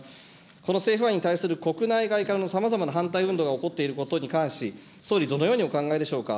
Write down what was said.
この政府案に対する国内外からのさまざまな反対運動が起こっていることに関し、総理、どのようにお考えでしょうか。